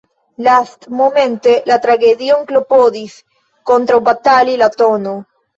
Lastmomente la tragedion klopodis kontraŭbatali la tn.